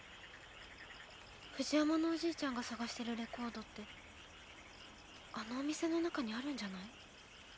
フジヤマのおじーちゃんが探してるレコードってあのお店の中にあるんじゃない？